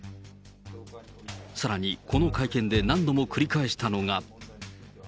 さらに、この会見で何度も繰り返したのが。